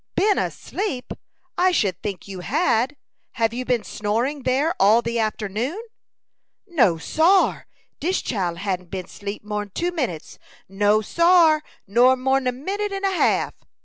"Been asleep! I should think you had! Have you been snoring there all the afternoon?" "No, sar! Dis chile hain't been asleep more'n two minutes no, sar, nor more'n a minute and a half."